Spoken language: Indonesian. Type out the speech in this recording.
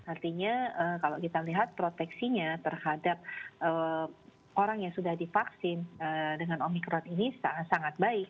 artinya kalau kita lihat proteksinya terhadap orang yang sudah divaksin dengan omikron ini sangat sangat baik